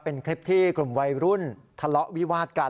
เป็นคลิปที่กลุ่มวัยรุ่นทะเลาะวิวาดกัน